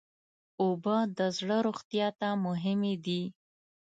اوبه د زړه روغتیا ته مهمې دي.